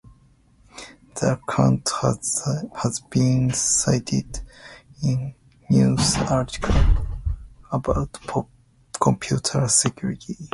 The account has been cited in news articles about computer security.